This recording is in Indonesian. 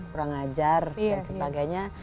kurang ajar dan sebagainya